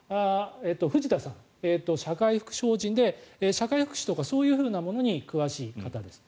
藤田さん、社会福祉法人で社会福祉とかそういうのに詳しい方です。